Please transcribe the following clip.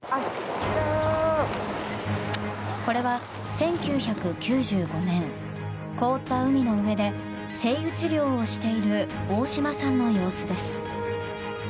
これは１９９５年凍った海の上でセイウチ猟をしている大島さんの様子です。